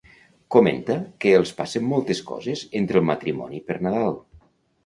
Comenta que els passen moltes coses entre el matrimoni per Nadal?